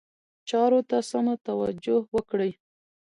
چارو ته سمه توجه وکړي.